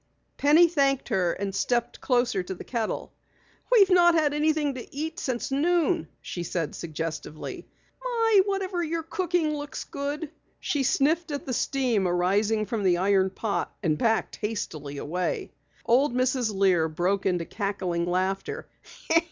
Penny thanked her and stepped closer to the kettle. "We've not had anything to eat since noon," she said suggestively. "My, whatever you're cooking looks good!" She sniffed at the steam arising from the iron pot and backed hastily away. Old Mrs. Lear broke into cackling laughter.